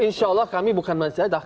insya allah kami bukan mencari jatah